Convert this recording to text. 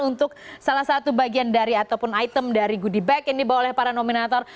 untuk salah satu bagian dari ataupun item dari goodie bag yang dibawa oleh para nominator